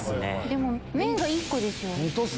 でも麺が１個ですよ。